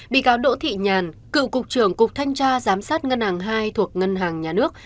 bị cáo đỗ thị nhàn cựu cục trưởng cục thanh tra giám sát ngân hàng hai thuộc ngân hàng nhà nước